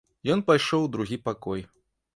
Ён пайшоў у другі пакой.